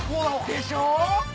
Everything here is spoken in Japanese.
でしょ？